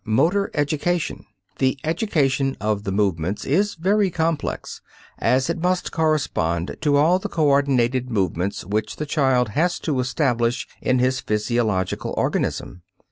MOTOR EDUCATION The education of the movements is very complex, as it must correspond to all the coordinated movements which the child has to establish in his physiological organism.